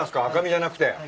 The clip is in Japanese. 赤身じゃなくて。